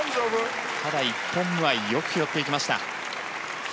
ただ、１本目はよく拾っていきました。